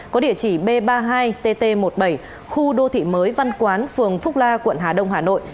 có địa chỉ b ba mươi hai tt một mươi bảy khu đô thị mới văn quán phường phúc la quận hà đông hà nội